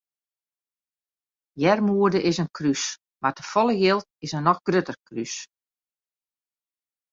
Earmoede is in krús mar te folle jild is in noch grutter krús.